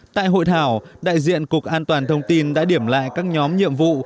tại hội thảo đại diện cục an toàn thông tin đã điểm lại các nhóm nhiệm vụ